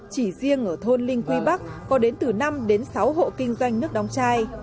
chỉ riêng ở thôn linh quy bắc có đến từ năm đến sáu hộ kinh doanh nước đóng chai